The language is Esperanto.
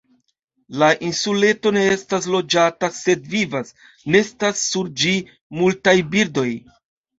La insuleto ne estas loĝata, sed vivas, nestas sur ĝi multaj birdoj.